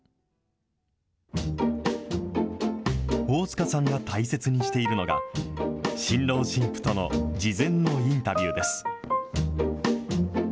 大塚さんが大切にしているのが、新郎新婦との事前のインタビューです。